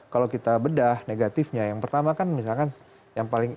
kalau kita bedah negatifnya yang pertama kan misalkan yang paling